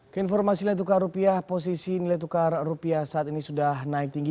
keinformasi nilai tukar rupiah posisi nilai tukar rupiah saat ini sudah naik tinggi